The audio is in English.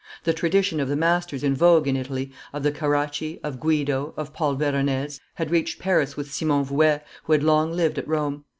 The tradition of the masters in vogue in Italy, of the Caracci, of Guido, of Paul Veronese, had reached Paris with Simon Vouet, who had long lived at Rome.